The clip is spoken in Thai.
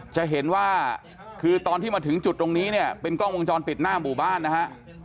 จะเห็นว่าคือตอนที่มาถึงจุดตรงนี้เนี่ยเป็นกล้องวงจรปิดหน้าหมู่บ้านนะฮะ